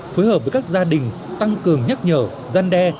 phối hợp với các gia đình tăng cường nhắc nhở gian đe